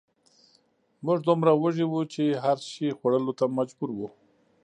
موږ دومره وږي وو چې هر شي خوړلو ته مجبور وو